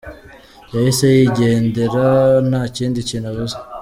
Yahise yigendera nta kindi kintu avuze.